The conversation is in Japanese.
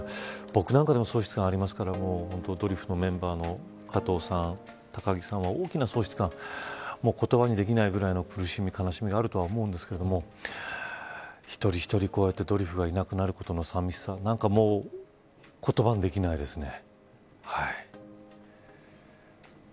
僕なんかでも喪失感がありますからドリフのメンバーの加藤さん高木さんは大きな喪失感言葉にできないぐらいの苦しみ悲しみがあると思うんですけど一人一人こうやってドリフがいなくなることの寂しさ言葉にできないですね。